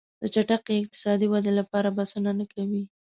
د چټکې اقتصادي ودې لپاره بسنه نه کوي.